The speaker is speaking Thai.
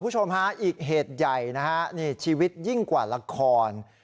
คุณผู้ชมฮะอีกเหตุใหญ่นะฮะนี่ชีวิตยิ่งกว่าละคร